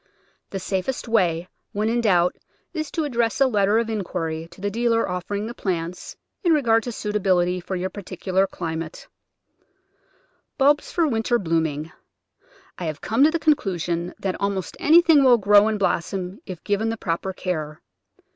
The safest way, when in Digitized by Google 192 The Flower Garden [Chapter doubt, is to address a letter of inquiry to the dealer offering the plants, in regard to suitability for your particular climate. Bulbs for winter blooming. I have come to the conclusion that almost anything will grow and blos som if given the proper care.